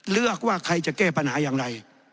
เลือกว่าใครจะแก้ปัญหาอย่างไร